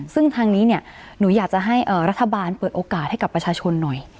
ซึ่งทางนี้เนี่ยหนูอยากจะให้รัฐบาลเปิดโอกาสให้กับประชาชนหน่อย